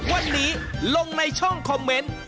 วันนี้ลงในช่องคอมเมนต์